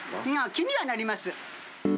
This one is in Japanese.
気にはなります。